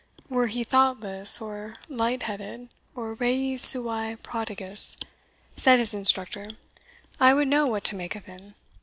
"Were he thoughtless or light headed, or rei suae prodigus," said his instructor, "I would know what to make of him.